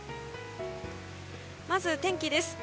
まず、天気です。